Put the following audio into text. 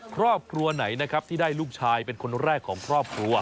ครอบครัวไหนนะครับที่ได้ลูกชายเป็นคนแรกของครอบครัว